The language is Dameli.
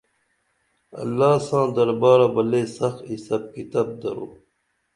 اللہ ساں دربارہ بہ لے سخ حسب کتب درو